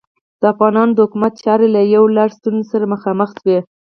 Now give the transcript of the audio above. د افغانانو د حکومت چارې له یو لړ ستونزو سره مخامخې شوې.